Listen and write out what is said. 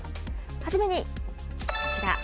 初めに、こちら。